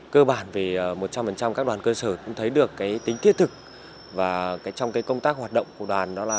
cơ bản về một trăm linh các đoàn cơ sở cũng thấy được tính thiết thực và trong công tác hoạt động của đoàn đó là